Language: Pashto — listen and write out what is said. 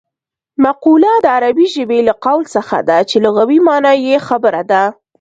مقوله د عربي ژبې له قول څخه ده چې لغوي مانا یې خبره ده